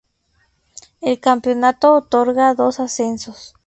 El campeonato otorga dos ascensos.